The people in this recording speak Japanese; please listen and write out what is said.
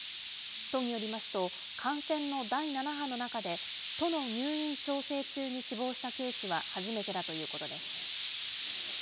都によりますと、感染の第７波の中で、都の入院調整中に死亡したケースは初めてだということです。